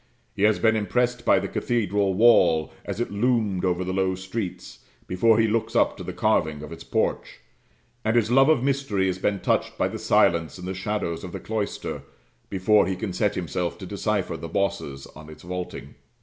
He has been impressed by the cathedral wall as it loomed over the low streets, before he looks up to the carving of its porch and his love of mystery has been touched by the silence and the shadows of the cloister, before he can set himself to decipher the bosses on its vaulting.